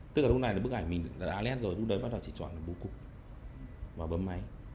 tức là lúc này bức ảnh mình đã nét rồi lúc đấy bắt đầu chỉ chọn bô cục và bấm máy